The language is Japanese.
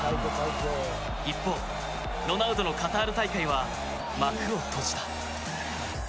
一方、ロナウドのカタール大会は幕を閉じた。